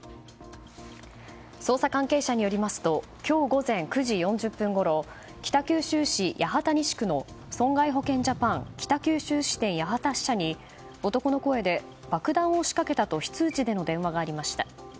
捜査関係者によりますと今日午前９時４０分ごろ北九州市八幡西区の損害保険ジャパン北九州市支店八幡支社に男の声で、爆弾を仕掛けたと非通知での電話がありました。